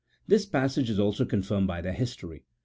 This passage is also confirmed by their history.